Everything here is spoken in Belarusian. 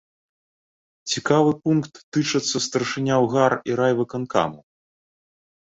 Цікавы пункт тычыцца старшыняў гар- і райвыканкамаў.